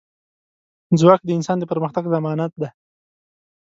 ځواک د انسان د پرمختګ ضمانت دی.